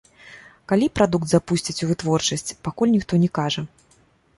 Калі прадукт запусцяць у вытворчасць, пакуль ніхто не кажа.